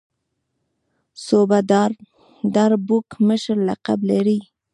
صوبه دار بلوک مشر لقب لري.